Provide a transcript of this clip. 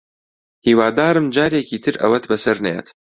هیوادارم جارێکی تر ئەوەت بەسەر نەیەت